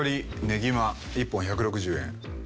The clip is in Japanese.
ねぎま１本１６０円。